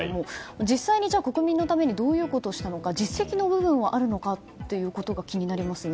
実際に国民のためにどういうことをしたのか実績の部分があるのか気になりますよね。